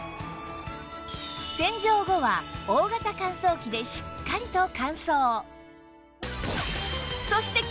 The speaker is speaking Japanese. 洗浄後は大型乾燥機でしっかりと乾燥